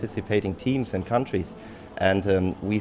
sebenarnya sekitar dua per hari